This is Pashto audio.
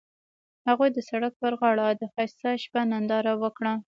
هغوی د سړک پر غاړه د ښایسته شپه ننداره وکړه.